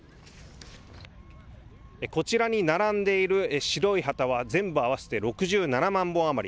こちらに並んでいる白い旗は、全部合わせて６７万本余り。